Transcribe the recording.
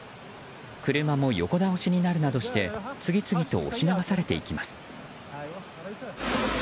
車も横倒しになるなどして次々と押し流されていきます。